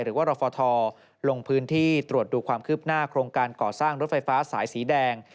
หรือว่ารฟทลงพื้นที่ตรวจดูความคืบหน้าโครงการก่อสร้างรถไฟฟ้าสายสีแดง